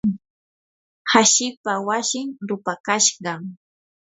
hashipa wasin rupakashqam.